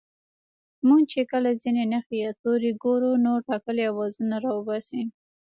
موږ چې کله ځينې نښې يا توري گورو نو ټاکلي آوازونه راوباسو